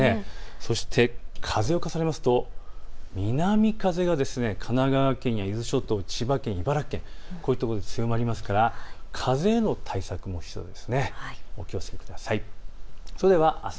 そして風を重ねますと南風が神奈川県や伊豆諸島、千葉県、茨城県、こういうところで強まりますから風への対策も必要です。